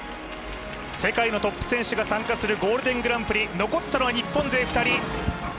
世界のトップ選手が参加するゴールデングランプリ残ったのは日本勢２人。